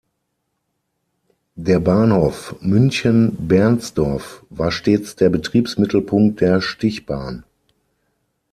Der "Bahnhof Münchenbernsdorf" war stets der Betriebsmittelpunkt der Stichbahn.